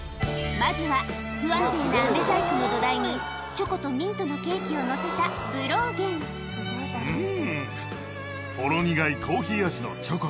まずは不安定なアメ細工の土台にチョコとミントのケーキをのせたブローゲンうん！